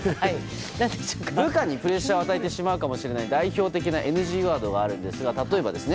部下にプレッシャーを与えてしまうかもしれない代表的なＮＧワードがあるんですが例えばです。